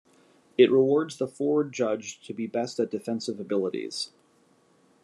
It rewards the forward judged to be the best at defensive abilities.